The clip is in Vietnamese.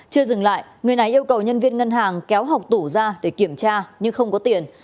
chưa dừng lại người này yêu cầu nhân viên ngân hàng kéo học tủ ra để kiểm tra nhưng không có tiền